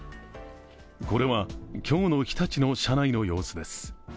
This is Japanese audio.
これは今日の日立の社内の様子です。